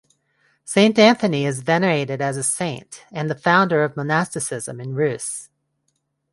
Saint Anthony is venerated as a saint and the founder of monasticism in Rus.